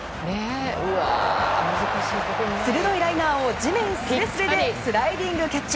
鋭いライナーを地面すれすれでスライディングキャッチ！